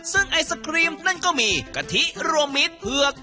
ซึ่งไอศครีมนั่นก็มีกะทิรวมมิตรเผือก